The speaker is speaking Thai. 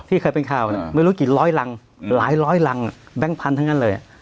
เคยเป็นข่าวไม่รู้กี่ร้อยรังหลายร้อยรังแบงค์พันธุ์ทั้งนั้นเลย